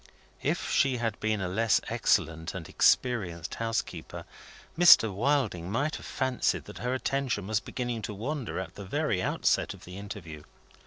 If she had been a less excellent and experienced housekeeper, Mr. Wilding might have fancied that her attention was beginning to wander at the very outset of the interview.